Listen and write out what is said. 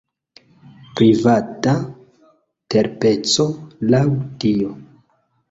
Privata terpeco, laŭ tio.